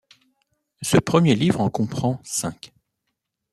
Ce premier livre en comprend cinq.